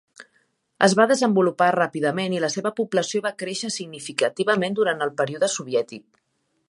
Es va desenvolupar ràpidament i la seva població va créixer significativament durant el període soviètic.